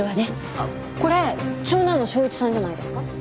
あっこれ長男の章一さんじゃないですか？